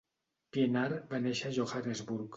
Pienaar va néixer a Johannesburg.